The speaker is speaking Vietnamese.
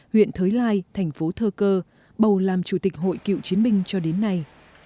huyện thới lai tp cn bầu làm chủ tịch hội cựu chiến binh cho đến nay